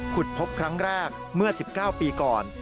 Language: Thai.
พบครั้งแรกเมื่อ๑๙ปีก่อน